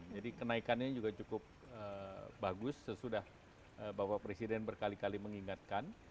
jadi kenaikannya juga cukup bagus sesudah bapak presiden berkali kali mengingatkan